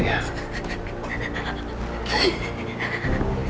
saya mau ke sana